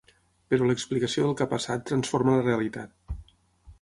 Però l'explicació del que ha passat transforma la realitat.